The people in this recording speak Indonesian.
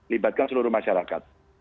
libatkan seluruh masyarakat